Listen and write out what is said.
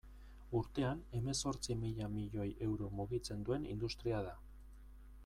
Urtean hemezortzi mila milioi euro mugitzen duen industria da.